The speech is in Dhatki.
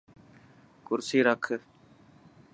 ڪرسي رک.